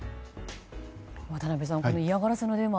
渡辺さん、嫌がらせの電話